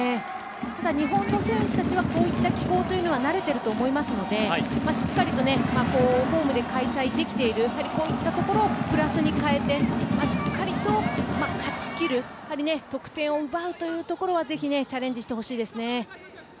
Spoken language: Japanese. ただ日本の選手たちはこういった気候に慣れているとは思いますのでホームで開催できているこうしたところをプラスに変えてしっかりと勝ちきる得点を奪うというところはチャレンジしてほしいですね。